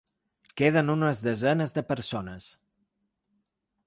Queden unes desenes de persones.